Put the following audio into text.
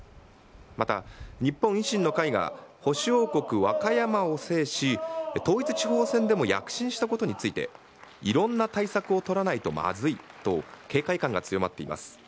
また日本維新の会が、保守王国、和歌山を制し、統一地方選でも躍進したことについて、いろんな対策を取らないとまずいと、警戒感が強まっています。